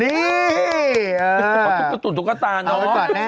นี่เออเอาไว้ก่อนแน่หนาวมากค่ะตุ๊กตุ๋นตุ๊กตาเนอะ